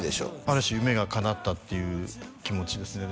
ある種夢がかなったっていう気持ちですね